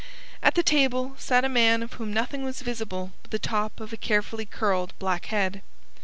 At the table sat a man of whom nothing was visible but the top of a carefully curled black head.